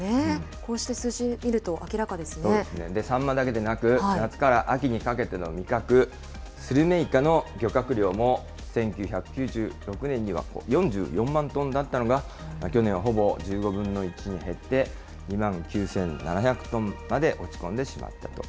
こうして数字を見ると、明らかでそうですね。サンマだけでなく、夏から秋にかけての味覚、スルメイカの漁獲量も、１９９６年には４４万トンだったのが去年はほぼ１５分の１に減って、２万９７００トンまで落ち込んでしまったと。